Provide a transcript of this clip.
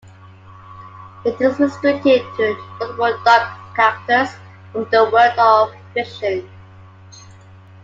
It is restricted to notable duck characters from the world of fiction.